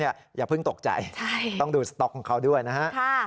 อย่าเพิ่งตกใจต้องดูสต๊อกของเขาด้วยนะฮะ